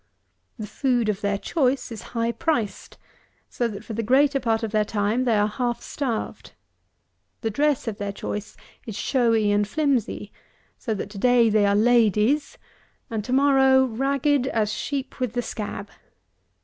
The food of their choice is high priced, so that, for the greater part of their time, they are half starved. The dress of their choice is showy and flimsy, so that, to day, they are ladies, and to morrow ragged as sheep with the scab.